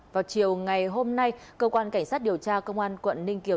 vào chiều ngày hôm nay cơ quan cảnh sát điều tra công an quận ninh kiều